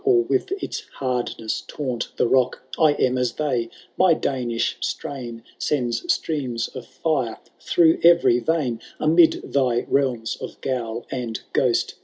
Or with its hardness taunt the rock^ — I am as they — my Danish strain Sends streams of fire through ey*ry vein. Amid thy realms of goule and ghost.